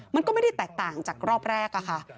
มันก็ไม่ได้แตกต่างจากรอบแรกค่ะ